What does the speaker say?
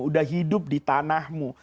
sudah hidup di tanahmu